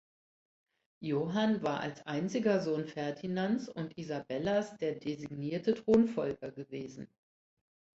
Johann war als einziger Sohn Ferdinands und Isabellas der designierte Thronfolger gewesen.